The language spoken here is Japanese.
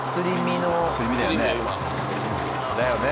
だよね。